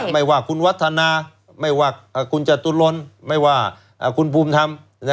ไม่ว่าคุณวัฒนาไม่ว่าคุณจตุรนไม่ว่าคุณภูมิธรรม